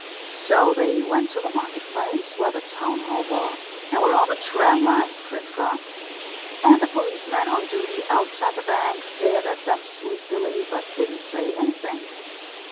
So they went to the market place, where the Town Hall was, and where all the tram lines criss crossed; and the policeman on duty outside the Bank stared at them sleepily, but didn't say anything.